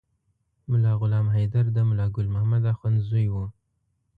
ملا غلام حیدر د ملا ګل محمد اخند زوی و.